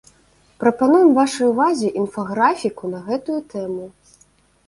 Прапануем вашай увазе інфаграфіку на гэтую тэму.